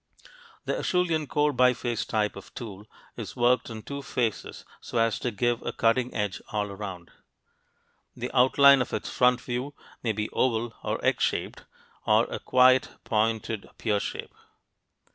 The Acheulean core biface type of tool is worked on two faces so as to give a cutting edge all around. The outline of its front view may be oval, or egg shaped, or a quite pointed pear shape.